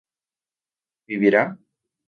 ¿vivirá?